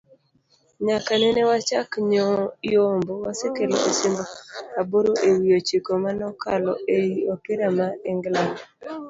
nyaka nene wachak yombo, wasekelo osimbo aboro ewi ochiko manokalo ei opira ma England